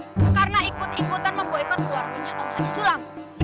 karena ikut ikutan memboikot keluarganya om haji sulam